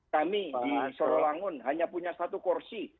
kami di sorowangun hanya punya satu kursi